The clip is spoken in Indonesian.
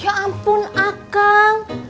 ya ampun akang